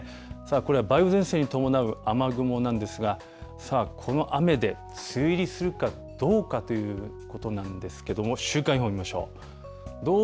これは梅雨前線に伴う雨雲なんですが、さあ、この雨で梅雨入りするかどうかということなんですけども、週間予報、見ましょう。